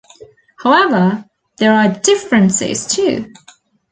However, there are differences too.